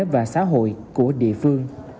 và xã hội của địa phương